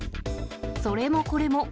それもこれも。